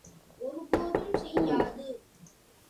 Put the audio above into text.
ஒரு போதும் செய்யாது.